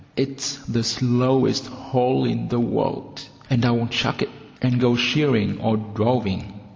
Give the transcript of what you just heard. It's the slowest hole in the world, and I'll chuck it and go shearing or droving.